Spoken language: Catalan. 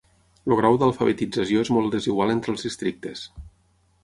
El grau d'alfabetització és molt desigual entre els districtes.